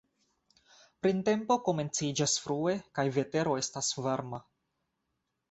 Printempo komenciĝas frue kaj vetero estas varma.